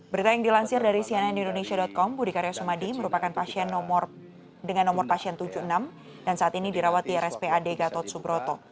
berita yang dilansir dari cnn indonesia com budi karya sumadi merupakan pasien dengan nomor pasien tujuh puluh enam dan saat ini dirawat di rspad gatot subroto